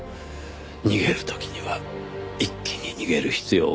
逃げる時には一気に逃げる必要があります。